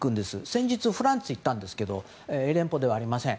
先日、フランスに行ったんですが英連邦ではありません。